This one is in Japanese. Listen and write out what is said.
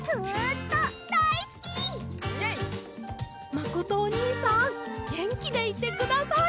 まことおにいさんげんきでいてください。